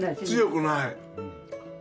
強くない。